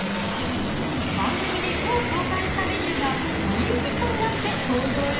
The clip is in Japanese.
番組で今日紹介したメニューがミールキットになって登場よ